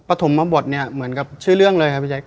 ถมบทเนี่ยเหมือนกับชื่อเรื่องเลยครับพี่แจ๊